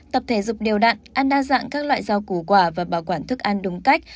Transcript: tập thể dục đều đạn ăn đa dạng các loại rau củ quả và bảo quản thức ăn đúng cách